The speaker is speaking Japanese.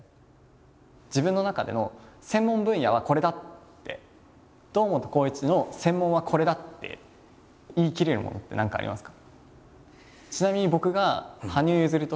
自分の中での専門分野はこれだって堂本光一の専門はこれだって言い切れるものって何かありますか？